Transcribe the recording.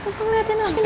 susah ngeliatin aja